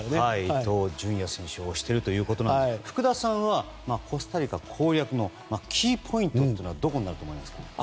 伊東純也選手を推しているということですが福田さんはコスタリカ攻略のキーポイントはどこになると思いますか？